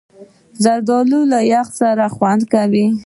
زردالو له یخ سره خوند کوي.